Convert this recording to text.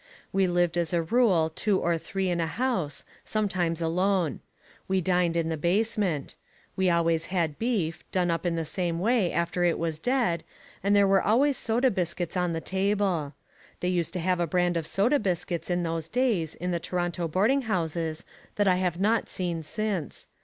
We lived as a rule two or three in a house, sometimes alone. We dined in the basement. We always had beef, done up in some way after it was dead, and there were always soda biscuits on the table. They used to have a brand of soda biscuits in those days in the Toronto boarding houses that I have not seen since.